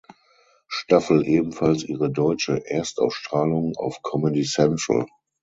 Staffel ebenfalls ihre deutsche Erstausstrahlung auf Comedy Central.